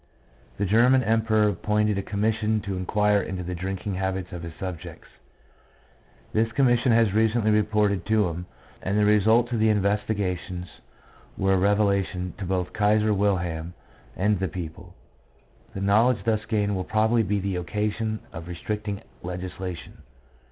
The German Emperor appointed a commission to inquire into the drinking habits of his subjects. This commission has recently reported to him, and the results of the investigations were a revelation to both Kaiser Wilhelm and the people. The know ledge thus gained will probably be the occasion of restricting legislation.